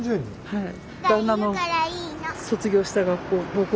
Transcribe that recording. はい。